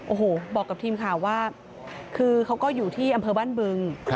โอ้โหบอกกับทีมข่าวว่าคือเขาก็อยู่ที่อำเภอบ้านบึง